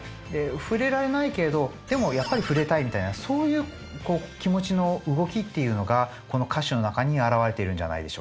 触れられないけれどでもやっぱり触れたいみたいなそういう気持ちの動きっていうのがこの歌詞の中に表れているんじゃないでしょうか？